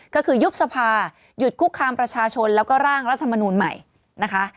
ก็คือยุบสภาหยุดคุกคามประชาชนแล้วก็ร่างรัฐมนูลใหม่นะคะ